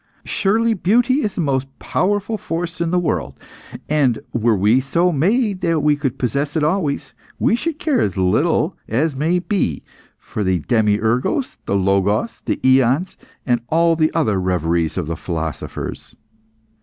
Surely beauty is the most powerful force in the world, and were we so made that we could possess it always, we should care as little as may be for the demiurgos, the logos, the aeons, and all the other reveries of the philosophers.